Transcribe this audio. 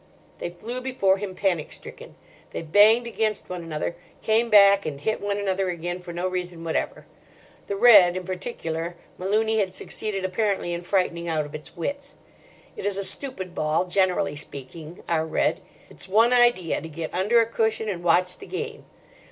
They flew before him, panic stricken. They banged against one another, came back and hit one another again for no reason whatever. The red, in particular, Malooney had succeeded apparently in frightening out of its wits. It is a stupid ball, generally speaking, our red—its one idea to get under a cushion and watch the game.